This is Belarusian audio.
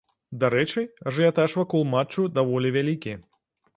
Дарэчы, ажыятаж вакол матчу даволі вялікі.